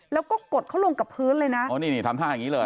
แล้วก็กดเขาลงกับพื้นเลยนะเรานี่นี่ทำผ้างี้เลย